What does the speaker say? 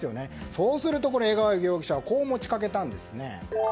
そうすると江川容疑者はこう持ち掛けたんですね。